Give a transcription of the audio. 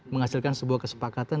menghasilkan sebuah kesepakatan